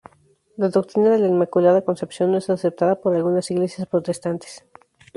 La doctrina de la Inmaculada Concepción no es aceptada por algunas iglesias protestantes.